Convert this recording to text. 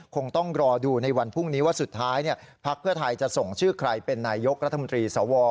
คงต้องรอดูในวันพรุ่งนี้ว่าสุดท้ายภักดิ์เพื่อไทยจะส่งชื่อใครเป็นนายยกรัฐมนตรีสว